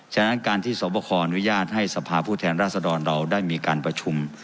ฉะนั้นการที่หออนุญาตให้สภาพูดแทนรัศน์เราได้มีการประชุม